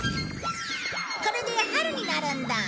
これで春になるんだ。